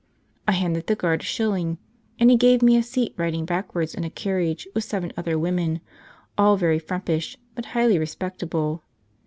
I handed the guard a shilling, and he gave me a seat riding backwards in a carriage with seven other women, all very frumpish, but highly respectable.